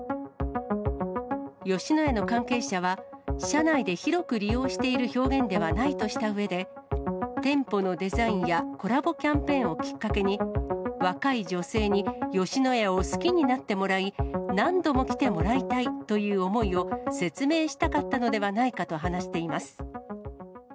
吉野家の関係者は、社内で広く利用している表現ではないとしたうえで、店舗のデザインやコラボキャンペーンをきっかけに、若い女性に吉野家を好きになってもらい、何度も来てもらいたいという思いを説明したかったのではないかと話しています。